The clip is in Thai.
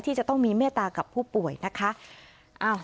จะต้องมีเมตตากับผู้ป่วยนะคะ